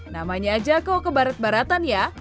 namanya aja kok kebaret baratan ya